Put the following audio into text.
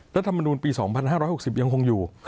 รัฐมนูลปี๒๕๖๐ยังคงอยู่